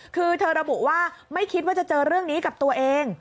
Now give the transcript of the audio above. คือเธอระบุว่าไม่คิดว่าจะเจอเรื่องนี้กับตัวเอง